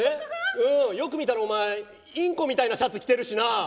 よく見たらお前インコみたいなシャツ着てんな。